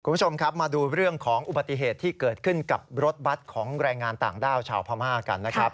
คุณผู้ชมครับมาดูเรื่องของอุบัติเหตุที่เกิดขึ้นกับรถบัตรของแรงงานต่างด้าวชาวพม่ากันนะครับ